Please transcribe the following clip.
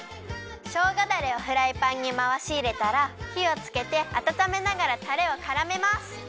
しょうがだれをフライパンにまわしいれたらひをつけてあたためながらたれをからめます！